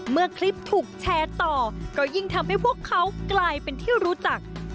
เมื่อคลิปถูกแชร์ต่อก็ยิ่งทำให้พวกเขากลายเป็นที่รู้จัก